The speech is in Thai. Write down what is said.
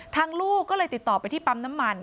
ลูกก็เลยติดต่อไปที่ปั๊มน้ำมัน